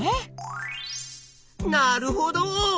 なるほど！